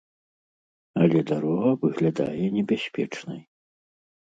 Але дарога выглядае небяспечнай.